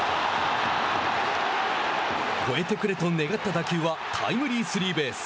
越えてくれと願った打球はタイムリースリーベース。